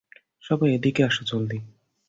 সবাই এদিকে এসো জলদি।